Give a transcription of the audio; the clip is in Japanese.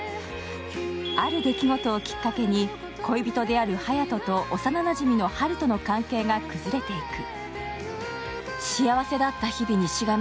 ある出来事をきっかけに、恋人である隼人と幼なじみの陽との関係が崩れていく。